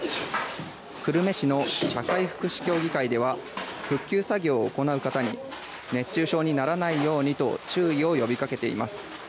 久留米市の社会福祉協議会では復旧作業を行う方に熱中症にならないようにと注意を呼びかけています。